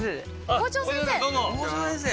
校長先生で。